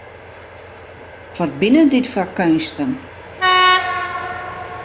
Wat binne dit foar keunsten!